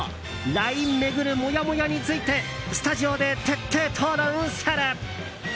ＬＩＮＥ巡るモヤモヤについてスタジオで徹底討論する。